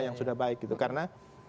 yang sudah baik gitu karena